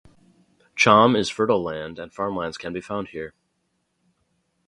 Chamb is fertile land and farmlands can be found here.